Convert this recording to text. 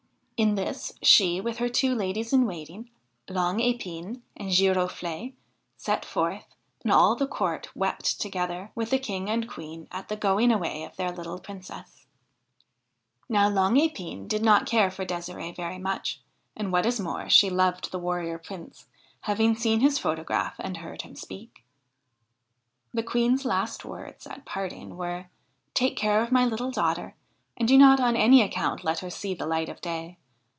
In this she, with her two ladies in waiting, Long Epine and Girofle'e, set forth, and all the court wept together with the King and Queen at the going away of their little Princess. Now Long Epine did not care for Desire'e very much, and, what is more, she loved the Warrior Prince, having seen his photograph and heard him speak. The Queen's last words at parting were :' Take care of my little daughter, and do not on any account let her see the light of day.